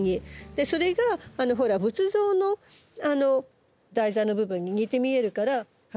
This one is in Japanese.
それが仏像の台座の部分に似て見えるから葉っぱが。